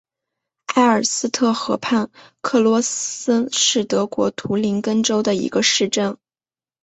埃尔斯特河畔克罗森是德国图林根州的一个市镇。